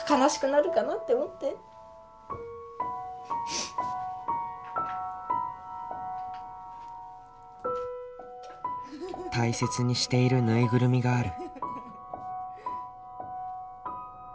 そしたら大切にしているぬいぐるみがある。